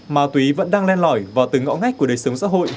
ma túy vẫn đang len lỏi vào từng ngõ ngách của đời sống xã hội